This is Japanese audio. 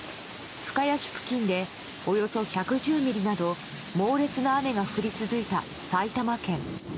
深谷市付近でおよそ１１０ミリなど猛烈な雨が降り続いた埼玉県。